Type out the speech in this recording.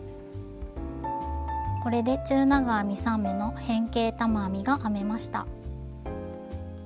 これで中長編み３目の変形玉編みが編めました。